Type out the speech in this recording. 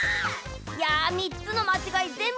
いや３つのまちがいぜんぶ